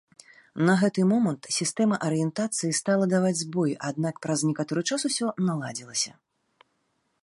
На гэты момант сістэма арыентацыі стала даваць збоі, аднак праз некаторы час усё наладзілася.